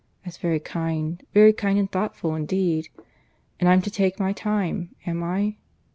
That's very kind very kind and thoughtful indeed. And I'm to take my time, am I?